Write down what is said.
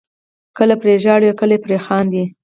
کله پرې ژاړئ او کله پرې خاندئ.